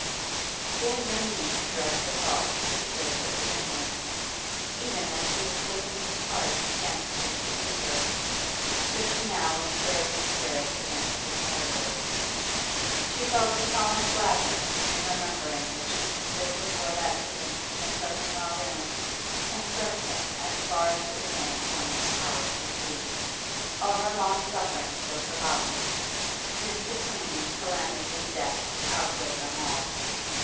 She had no need to direct her thoughts to the good that was in him. Even as she had taken his part against his traducers, so she now was stirred in spirit against his murderers. She felt a solemn gladness in remembering that she had stood before that meeting in the Clerkenwell room and served him as far as it was in a woman's power to do. All her long sufferings were forgotten; this supreme calamity of death outweighed them all.